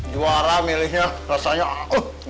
juara milihnya rasanya aku